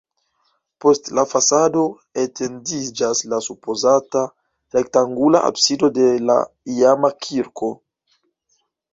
Post la fasado etendiĝas la supozata rektangula absido de la iama kirko.